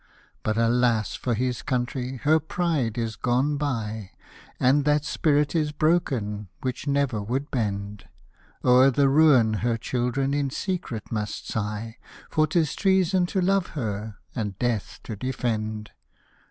But alas for his country !— her pride is gone by. And that spirit is broken, which never would bend ; O'er the ruin her children in secret must sigh, For 'tis treason to love her, and death to defend.